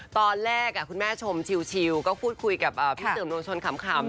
ตอนแรกคุณแม่ชมชิลก็พูดคุยกับพี่สื่อมวลชนขำ